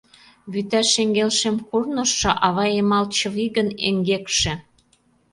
Вӱта шеҥгел шем курныжшо Ава йымал чывигын эҥгекше.